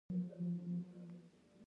د نورستان په پارون کې د لیتیم نښې شته.